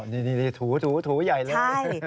นี่ถูถูถูใหญ่เลย